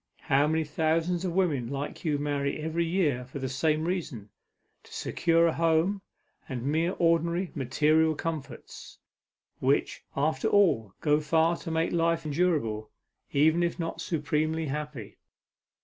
How many thousands of women like you marry every year for the same reason, to secure a home, and mere ordinary, material comforts, which after all go far to make life endurable, even if not supremely happy."